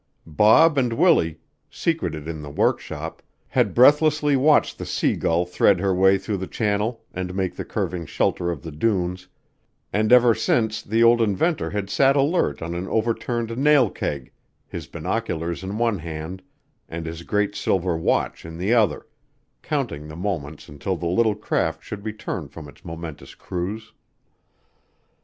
Bob and Willie, secreted in the workshop, had breathlessly watched the Sea Gull thread her way through the channel and make the curving shelter of the dunes, and ever since the old inventor had sat alert on an overturned nail keg, his binoculars in one hand and his great silver watch in the other, counting the moments until the little craft should return from its momentous cruise.